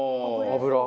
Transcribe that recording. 油。